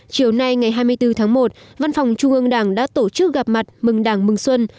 chiều nay ngày hai mươi bốn tháng một văn phòng trung ương đảng đã tổ chức gặp mặt mừng đảng mừng xuân